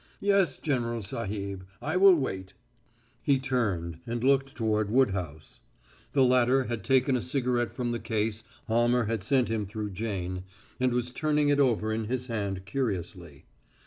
"Yes, General Sahib, I will wait." He turned and looked toward Woodhouse. The latter had taken a cigarette from the case Almer had sent him through Jane, and was turning it over in his hand curiously.